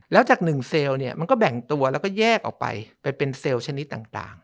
แล้วจากหนึ่งเซลล์เนี่ยมันก็แบ่งตัวแล้วก็แยกออกไปไปเป็นเซลล์ชนิดต่าง